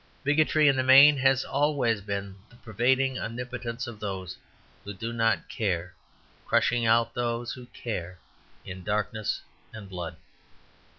Bigotry in the main has always been the pervading omnipotence of those who do not care crushing out those who care in darkness and blood.